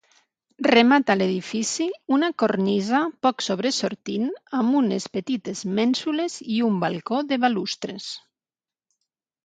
Remata l'edifici una cornisa poc sobresortint amb unes petites mènsules i un balcó de balustres.